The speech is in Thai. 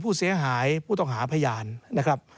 ผู้ต้องหาผู้ต้องหาพยานนะครับ